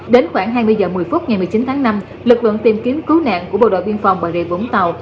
đến khoảng hai mươi h một mươi phút ngày một mươi chín tháng năm lực lượng tìm kiếm cứu nạn của bộ đội biên phòng bà rịa vũng tàu